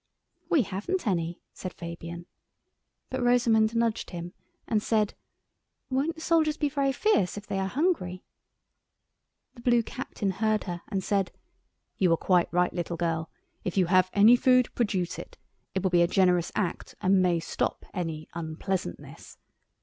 "We haven't any," said Fabian, but Rosamund nudged him, and said, "Won't the soldiers be very fierce if they are hungry?" The Blue Captain heard her, and said— "You are quite right, little girl. If you have any food, produce it. It will be a generous act, and may stop any unpleasantness.